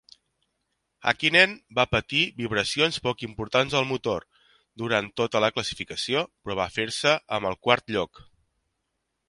Hakkinen va patir vibracions poc importants al motor durant tota la classificació, però va fer-se amb el quart lloc.